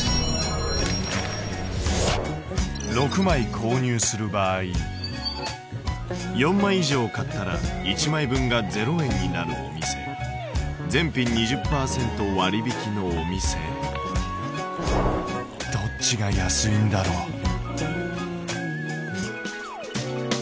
６枚購入する場合４枚以上買ったら１枚分が０円になるお店全品２０％割引のお店どっちが安いんだろう？